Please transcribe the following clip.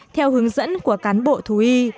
theo hướng dẫn của cán bộ thú y